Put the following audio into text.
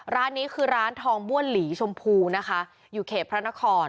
ร้านนี้คือร้านทองม้วนหลีชมพูนะคะอยู่เขตพระนคร